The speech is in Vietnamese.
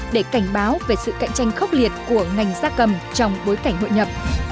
để cảnh báo về sự cạnh tranh khốc liệt của ngành da cầm trong bối cảnh hội nhập